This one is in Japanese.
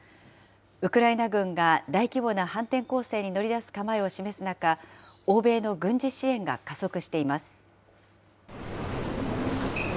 ウクライナ軍が大規模な反転攻勢に乗り出す構えを示す中、欧米の軍事支援が加速しています。